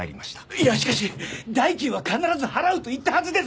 いやしかし代金は必ず払うと言ったはずです！